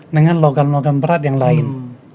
dengan logam logam berat yang lain